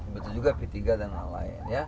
betul juga p tiga dan yang lain